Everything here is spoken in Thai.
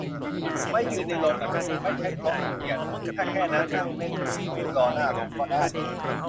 ไม่ยืนในโรงหนังไม่ใช่เพราะขี้เกียจ ถ้าแค่นั้นนั่งเล่นมือถือรอหน้าโรงก็ได้